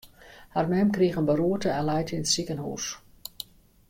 Har mem krige in beroerte en leit yn it sikehús.